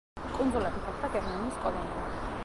კუნძულები გახდა გერმანიის კოლონია.